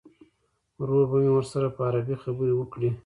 ورور به مې ورسره په عربي خبرې وکړي.